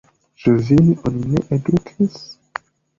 Ĉu vin oni ne edukis?